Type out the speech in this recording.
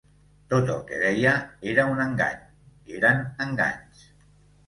Tot el que deia era un engany, eren enganys.